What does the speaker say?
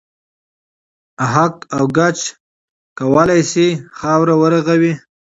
اهک او ګچ کولای شي خاوره و رغوي.